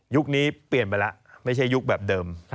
นี้เปลี่ยนไปแล้วไม่ใช่ยุคแบบเดิม